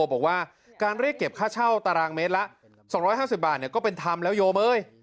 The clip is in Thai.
บอกว่าการเรียกเก็บค่าเช่าตารางเมตรละ๒๕๐บาทก็เป็นธรรมแล้วโยมเอ้ย